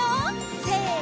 せの！